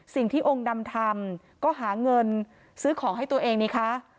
สิ่งที่องค์ดำทำก็หาเงินซื้อของให้ตัวเองนี่คะ